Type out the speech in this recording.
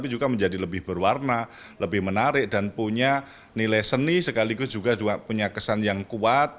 juga menjadi lebih berwarna lebih menarik dan punya nilai seni sekaligus juga punya kesan yang kuat